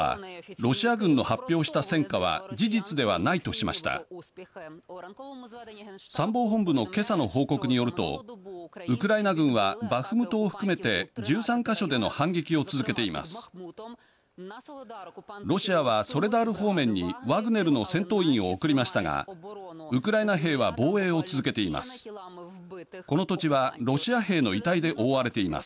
ロシアはソレダール方面にワグネルの戦闘員を送りましたがウクライナ兵は防衛を続けています。